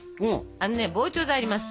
あのね膨張剤あります。